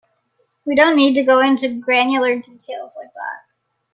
We don't need to go into granular details like that.